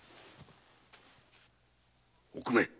おくめ。